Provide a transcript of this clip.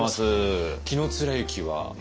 紀貫之は？